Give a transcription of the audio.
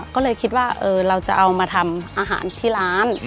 ก็เลยคิดว่าเราจะเอามาทำอาหารที่ร้าน